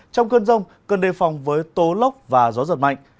trong cơn rông cần đề phòng với tố lốc và gió giật mạnh